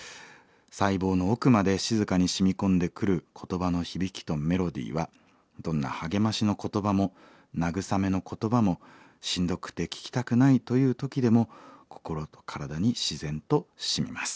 細胞の奥まで静かにしみ込んでくる言葉の響きとメロディーはどんな励ましの言葉も慰めの言葉もしんどくて聞きたくないという時でも心と体に自然としみます」。